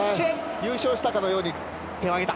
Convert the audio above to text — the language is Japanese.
優勝したかのように手を上げた。